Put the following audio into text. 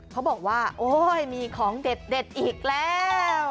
เขาบอกว่าโอ้ยมีของเด็ดอีกแล้ว